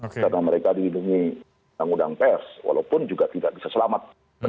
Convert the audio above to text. karena mereka dihidungi undang undang pers walaupun juga tidak bisa selamat